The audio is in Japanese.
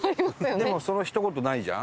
でもその一言ないじゃん。